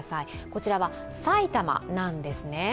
こちらは埼玉なんですね。